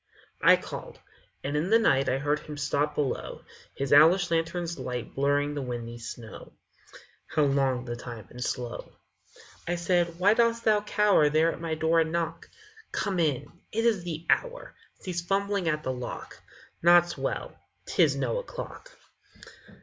I called. And in the night I heard him stop below, His owlish lanthorn's light Blurring the windy snow How long the time and slow! I said, _Why dost thou cower There at my door and knock? Come in! It is the hour! Cease fumbling at the lock! Naught's well! 'Tis no o'clock!